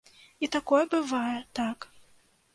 І такое бывае, так.